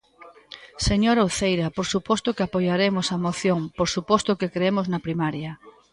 Señora Uceira, por suposto que apoiaremos a moción, por suposto que cremos na primaria.